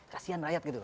kasian rakyat gitu